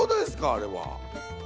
あれは。